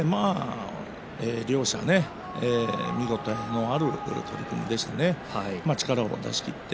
両者、見応えのある相撲でしたね、力を出し切って。